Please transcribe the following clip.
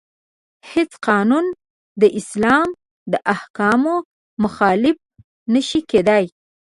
هیڅ قانون د اسلام د احکامو مخالف نشي کیدای.